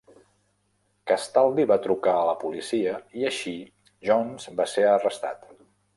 Castaldi va trucar a la policia i així Jones va ser arrestat.